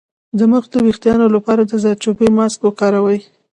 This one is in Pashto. د مخ د ويښتانو لپاره د زردچوبې ماسک وکاروئ